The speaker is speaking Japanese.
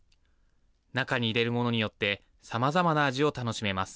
中に入れるものによってさまざまな味を楽しめます。